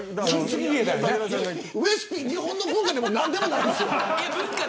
ウエスＰ、日本の文化でも何でもないですよ。